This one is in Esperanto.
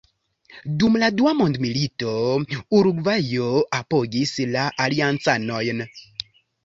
Dum la dua mondmilito, Urugvajo apogis la aliancanojn.